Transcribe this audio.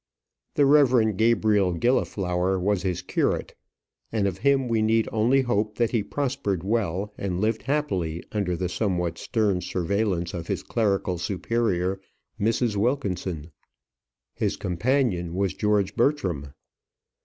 The Reverend Gabriel Gilliflower was his curate; and of him we need only hope that he prospered well, and lived happily under the somewhat stern surveillance of his clerical superior, Mrs. Wilkinson. His companion was George Bertram.